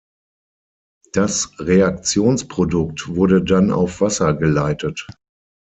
Das Reaktionsprodukt wurde dann auf Wasser geleitet.